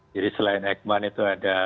jadi selain eijkman itu ada